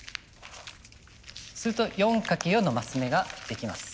すると４掛け４のマス目ができます。